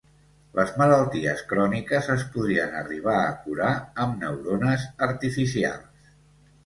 Les malalties cròniques es podrien arribar a curar amb neurones artificials